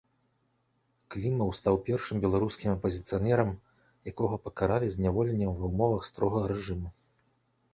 Клімаў стаў першым беларускім апазіцыянерам, якога пакаралі зняволеннем ва ўмовах строгага рэжыму.